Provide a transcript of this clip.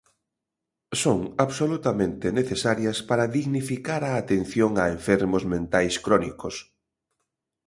Son absolutamente necesarias para dignificar a atención a enfermos mentais crónicos.